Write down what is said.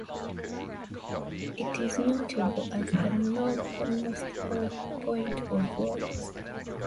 It is notable as the northernmost point of Wales.